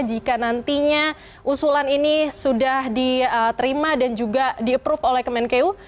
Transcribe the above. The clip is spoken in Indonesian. jika nantinya usulan ini sudah diterima dan juga di approve oleh kemenkeu